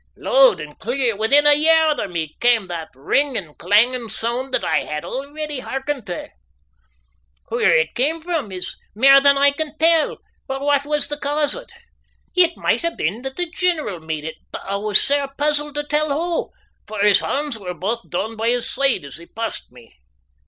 loud and clear, within a yaird o' me cam the ringin', clangin' soond that I had a'ready hairkened tae. Where it cam frae is mair than I can tell or what was the cause o't. It might ha' been that the general made it, but I was sair puzzled tae tell hoo, for his honds were baith doon by his side as he passed me.